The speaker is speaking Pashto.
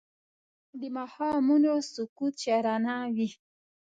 د ماښامونو سکوت شاعرانه وي